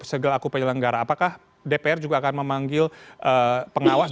segera aku penyelenggara apakah dpr juga akan memanggil pengawas